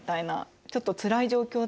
ちょっとつらい状況だよね。